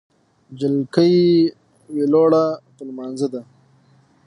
جلکۍ ویلوړه په لمونځه ده